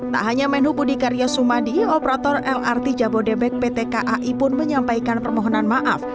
tak hanya menhu budi karya sumadi operator lrt jabodebek pt kai pun menyampaikan permohonan maaf